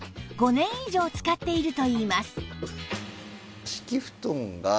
５年以上使っているといいます